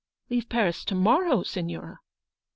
" Leave Paris to morrow, Signora !